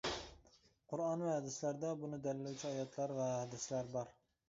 قۇرئان ۋە ھەدىسلەردە بۇنى دەلىللىگۈچى ئايەتلەر ۋە ھەدىسلەر بار.